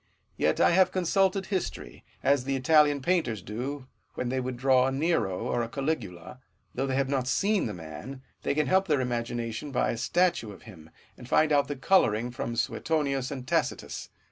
yet I have consulted history, as the Italian painters do when they would draw a Nero or a Caligula : though they have not seen the man, they can help their imagination by a statue of him, and find out the colouring from Suetonius and Tacitus.